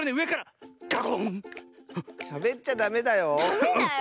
しゃべっちゃダメだよ。